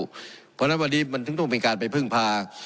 เพราะฉะนั้นวันนี้มันถึงต้องมีการไปพึ่งพา